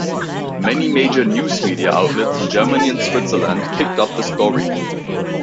Many major news media outlets in Germany and Switzerland picked up the story.